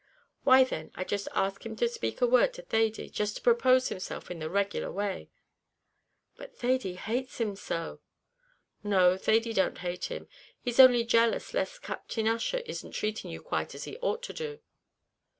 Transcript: "Why, then, I'd just ask him to speak a word to Thady just to propose himself in the regular way." "But Thady hates him so." "No; Thady don't hate him: he's only jealous lest Captain Ussher isn't treating you quite as he ought to do."